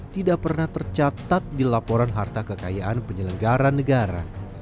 tidak pernah tercatat di laporan harta kekayaan penyelenggara negara